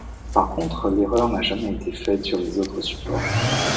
Par contre l’erreur n’a jamais été faite sur les autres supports.